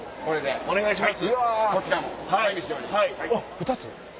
２つ？